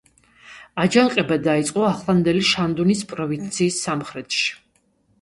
აჯანყება დაიწყო ახლანდელი შანდუნის პროვინციის სამხრეთში.